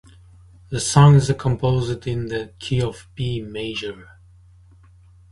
The song is composed in the key of B major.